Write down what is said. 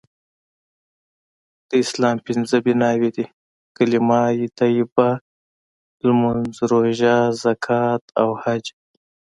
د اسلام پنځه بنأوي دي.کلمه طیبه.لمونځ.روژه.زکات.او حج